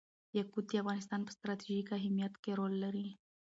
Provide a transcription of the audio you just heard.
یاقوت د افغانستان په ستراتیژیک اهمیت کې رول لري.